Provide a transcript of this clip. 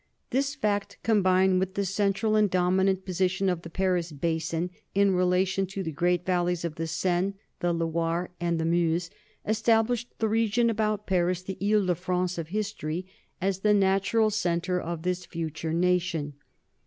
This fact, combined with the central and dominant position of the Paris basin in rela tion to the great valleys of the Seine, the Loire, and the Meuse, established the region about Paris, the Ile de France of history, as the natural centre of this future nation.